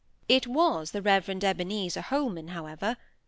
It was the Reverend Ebenezer Holman, however.